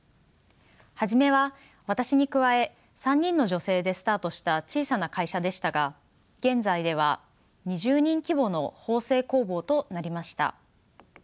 初めは私に加え３人の女性でスタートした小さな会社でしたが現在では２０人規模の縫製工房となりました。